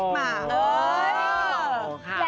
ง่าย